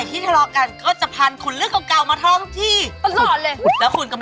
แต่ถ้าเขาจะไปจริงก็ไปได้เพราะเราก็ชอบ